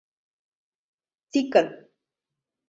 Тикын.